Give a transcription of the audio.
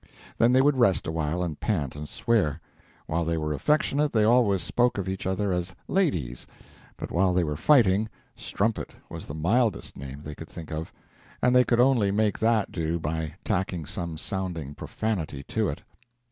Then they would rest awhile and pant and swear. While they were affectionate they always spoke of each other as "ladies," but while they were fighting "strumpet" was the mildest name they could think of and they could only make that do by tacking some sounding profanity to it.